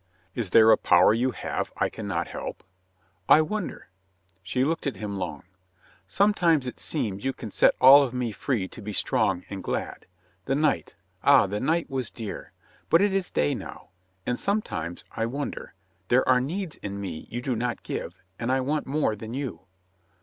"Is there a power you have I can not help?" "I wonder." She looked at him long. "Some io8 MR. BOURNE IS SORRY 109 times it seems you can set all of me free to be strong and glad. The night — ah, the night was dear ! But it is day now. And sometimes — I wonder — ^there are needs in me you do not give, and I want more than you."